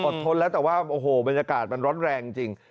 ทนแล้วแต่ว่าโอ้โหบรรยากาศมันร้อนแรงจริง